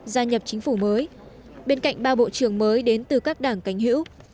gia nhập chính phủ mới bên cạnh ba bộ trưởng mới đến từ các đảng cánh hữu